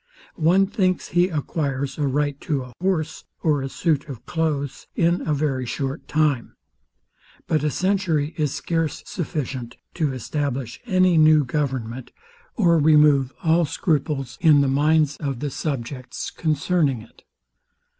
One thinks he acquires a right to a horse, or a suit of cloaths, in a very short time; but a century is scarce sufficient to establish any new government, or remove all scruples in the minds of the subjects concerning it.